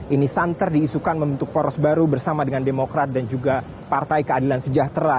ini santer diisukan membentuk poros baru bersama dengan demokrat dan juga partai keadilan sejahtera